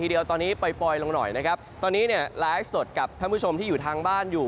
นี่เดียวตอนนี้ปล่อยนิดนึงล้อลบกับท่านผู้ชมที่อยู่ทางบ้านอยู่